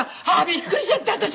びっくりしちゃった私。